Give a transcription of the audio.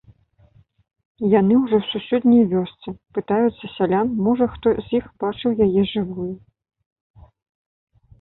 Яны ўжо ў суседняй вёсцы, пытаюцца сялян, можа, хто з іх бачыў яе жывую.